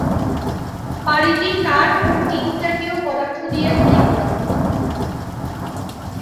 বাড়িটি কাঠ ও টিন জাতীয় পদার্থ দিয়ে তৈরি করা।